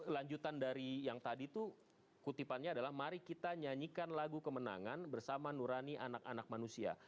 lanjutan dari yang tadi tuh kutipannya adalah mari kita nyanyikan lagu kemenangan bersama nurani anak anak manusia